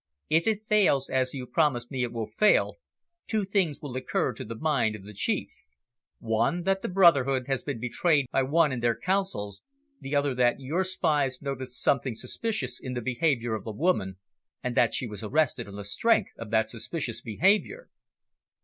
"If it fails, as you promise me it will fail, two things will occur to the mind of the Chief one that the brotherhood has been betrayed by one in their counsels, the other that your spies noticed something suspicious in the behaviour of the woman, and that she was arrested on the strength of that suspicious behaviour."